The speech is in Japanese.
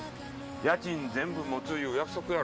家賃全部持ついう約束やろ。